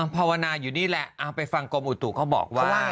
ภาวนาอยู่นี่แหละไปฟังกรมอุตุเขาบอกว่า